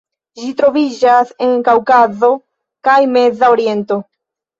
Ĝi troviĝas en Kaŭkazo kaj Meza Oriento.